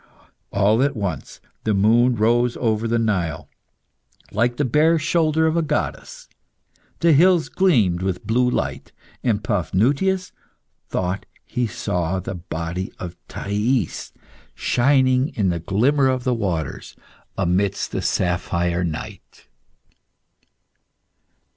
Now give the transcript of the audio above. All at once the moon rose over the Nile, like the bare shoulder of a goddess. The hills gleamed with blue light, and Paphnutius thought he saw the body of Thais shinning in the glimmer of the waters amidst the sapphire night.